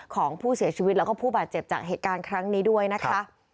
ของผู้เสียชีวิตแล้วก็ผู้บาดเจ็บจากเหตุการณ์ครั้งนี้ด้วยนะคะ